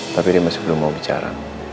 tapi dia masih belum mau bicara